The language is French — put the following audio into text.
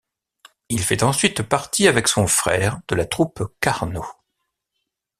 Il fait ensuite partie avec son frère de la troupe Karno.